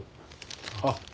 あっ。